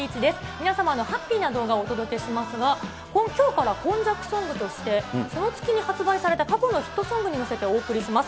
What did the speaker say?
皆様のハッピーな動画をお届けしますが、きょうから今昔ソングとして、その月に発売された過去のヒットソングに乗せてお送りします。